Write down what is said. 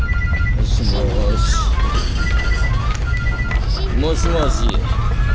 もしもし？もしもし？